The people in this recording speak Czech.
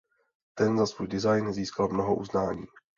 Ten za svůj design získal mnoho uznání.